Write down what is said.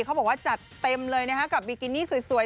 เขาบอกว่าจัดเต็มเลยนะคะกับบิกินี่สวย